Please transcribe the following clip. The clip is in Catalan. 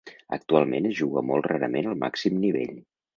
Actualment es juga molt rarament al màxim nivell.